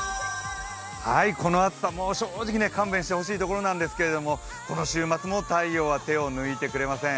この暑さ、もう正直ね勘弁してほしいところなんですがこの週末も太陽は手を抜いてくれません。